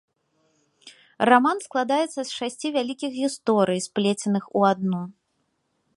Раман складаецца з шасці вялікіх гісторый, сплеценых у адну.